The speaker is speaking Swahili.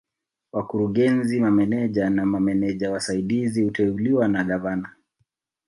Wakurugenzi Mameneja na Mameneja Wasaidizi huteuliwa na Gavana